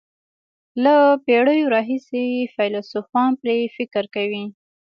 له پېړیو راهیسې فیلسوفان پرې فکر کوي.